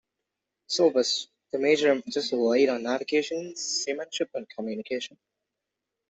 Syllabus : The major emphasis is laid on Navigation, Seamanship and Communication.